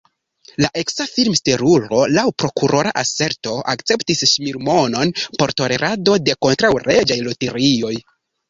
La eksa filmstelulo laŭ prokurora aserto akceptis ŝmirmonon por tolerado de kontraŭleĝaj loterioj.